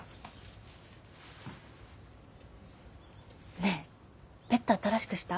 ねえベッド新しくした？